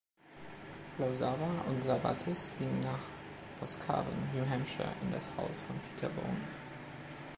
Plausawa und Sabattis gingen nach Boscawen, New Hampshire, in das Haus von Peter Bowen.